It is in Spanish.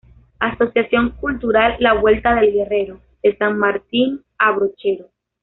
Asociación Cultural "La Vuelta del Guerrero" De San Martín a Brochero